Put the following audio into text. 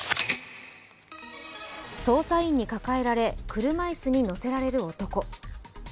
捜査員に抱えられ、車椅子に乗せられる男。